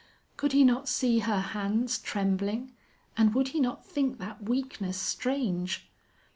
Could he not see her hands trembling? And would he not think that weakness strange?